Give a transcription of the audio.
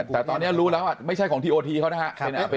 แต่ตอนนี้รู้แล้วไม่ใช่ของทีโอทีเขานะฮะ